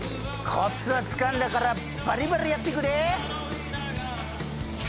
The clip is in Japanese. コツはつかんだからバリバリやってくで！